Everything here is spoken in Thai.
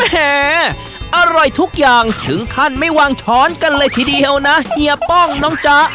แหมอร่อยทุกอย่างถึงขั้นไม่วางช้อนกันเลยทีเดียวนะเฮียป้องน้องจ๊ะ